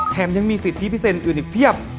ยังมีสิทธิพิเศษอื่นอีกเพียบ